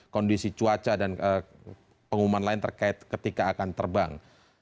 kondisi cuaca dan pengumuman lain terkait ketika akan terbang